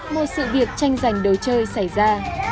một sự việc tranh giành đấu chơi xảy ra